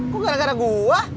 kok gara gara gue